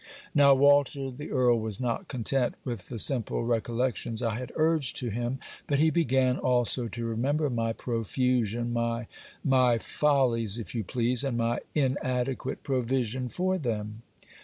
Now, Walter, the Earl was not content with the simple recollections I had urged to him, but he began also to remember my profusion, my my follies, (if you please) and my inadequate provision for them.